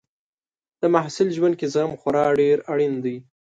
د محصل ژوند کې زغم خورا ډېر اړین دی.